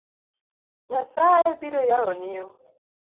Nyasaye biro yawoni yo